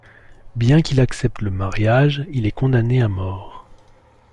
Bien qu'il accepte le mariage, il est condamné à mort.